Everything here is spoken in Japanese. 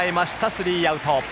スリーアウト。